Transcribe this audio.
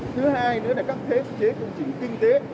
thứ hai nữa là các thế chế công trình kinh tế